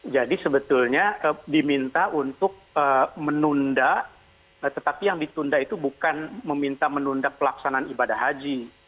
jadi sebetulnya diminta untuk menunda tetapi yang ditunda itu bukan meminta menunda pelaksanaan ibadah haji